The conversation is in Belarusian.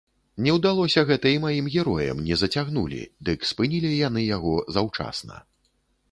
Не ўдалося гэта і маім героям не зацягнулі, дык спынілі яны яго заўчасна.